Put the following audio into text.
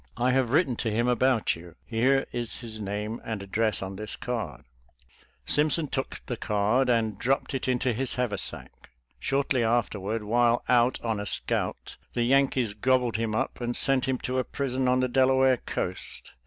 I have written to him about you. Here' is his name and address on this cardJ' Simpson took! the card and dropped it into his haversack. Shortly afterward, while out 'on a scout, the Yankees gobbled him up' audi sent him to a prison on the Delaware coast.'